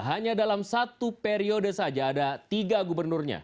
hanya dalam satu periode saja ada tiga gubernurnya